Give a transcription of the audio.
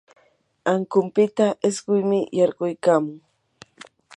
ankunpita isquymi yarquykamun.